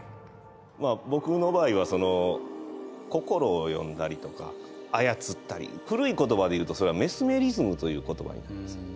僕の場合は心を読んだりとか操ったり古い言葉で言うとそれはメスメリズムという言葉になります。